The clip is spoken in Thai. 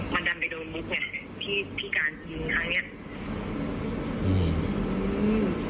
มันดันไปโดนมุกไงที่ที่การยิงครั้งเนี้ยอืม